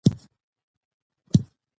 افغانستان له تودوخه ډک دی.